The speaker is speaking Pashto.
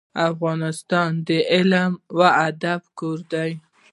افغانستان د علم او ادب کور دی.